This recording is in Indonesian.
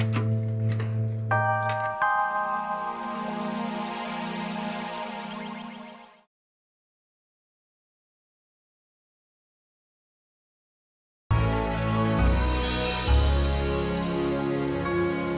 ya wes aku siap siap dulu